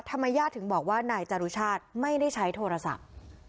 ญาติถึงบอกว่านายจรุชาติไม่ได้ใช้โทรศัพท์